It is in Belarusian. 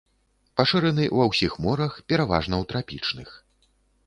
Пашыраны ва ўсіх морах, пераважна ў трапічных.